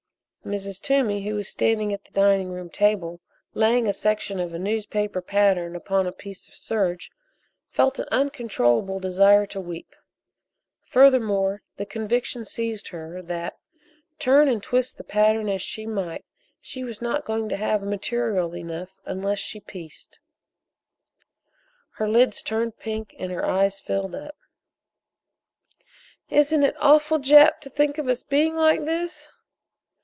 Mrs. Toomey, who was standing at the dining room table laying a section of a newspaper pattern upon a piece of serge, felt an uncontrollable desire to weep. Furthermore, the conviction seized her that, turn and twist the pattern as she might, she was not going to have material enough unless she pieced. Her lids turned pink and her eyes filled up. "Isn't it awful, Jap, to think of us being like this?"